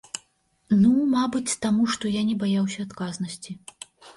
Ну, мабыць, таму што я не баяўся адказнасці.